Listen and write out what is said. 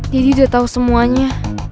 daddy udah tahu semuanya